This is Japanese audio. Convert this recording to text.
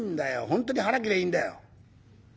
本当に腹切りゃいいんだよ」。